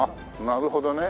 なるほどね。